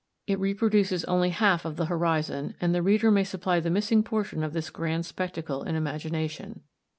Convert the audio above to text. It reproduces only half of the horizon, and the reader may supply the missing portion of this grand spectacle in imagination.